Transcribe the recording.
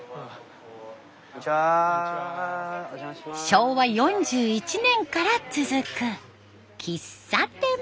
昭和４１年から続く喫茶店。